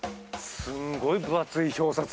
すんごい分厚い表札。